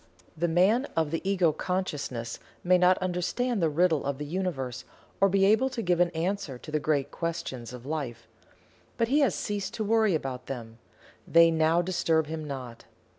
The man of the Ego Consciousness may not understand the Riddle of the Universe or be able to give an answer to the great Questions of Life but he has ceased to worry about them they now disturb him not.